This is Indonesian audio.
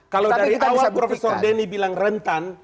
kalau dari awal profesor denny bilang rentan